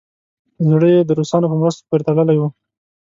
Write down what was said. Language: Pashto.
زړه یې د روسانو په مرستو پورې تړلی وو.